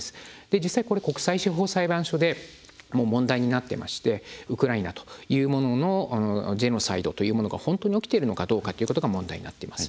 実際国際司法裁判所でも問題になってましてウクライナというもののジェノサイドというものが本当に起きているのかどうかが問題になっています。